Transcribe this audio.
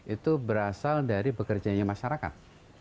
itu berasal dari bekerjanya masyarakat